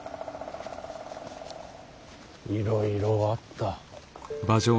いろいろあった。